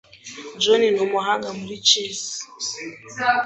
John ni umuhanga muri chess.